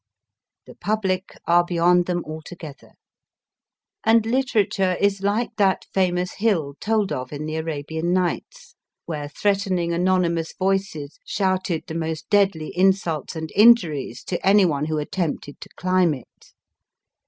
The public are beyond them altogether. And Literature is like that famous hill told of in the Arabian Nights, where threatening anonymous voices shouted the most deadly insults and injuries to anyone who attempted to climb it.